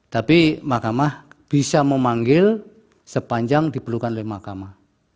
tapi mahkamah bisa memanggil sepanjang diperlukan oleh mahkamah